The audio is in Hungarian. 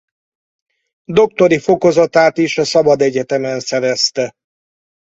Doktori fokozatát is a Szabadegyetemen szerezte.